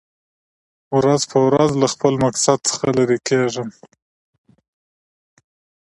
ورځ په ورځ له خپل مقصد څخه لېر کېږم .